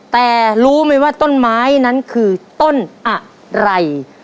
แต่รู้ไหมว่าต้นไม้นั้นคือต้นอะไร